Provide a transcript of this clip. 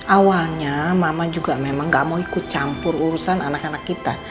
awalnya mama juga memang gak mau ikut campur urusan anak anak kita